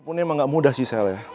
ini emang gak mudah sih sel ya